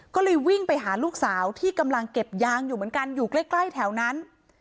ก็เลยวิ่งไปหาลูกสาวที่กำลังเก็บยางอยู่เหมือนกันอยู่ใกล้แถวนั้น